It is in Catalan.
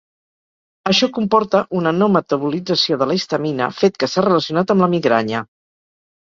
Això comporta una no metabolització de la histamina, fet que s’ha relacionat amb la migranya.